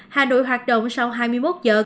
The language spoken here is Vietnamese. hà nội hoạt động sau hai mươi một giờ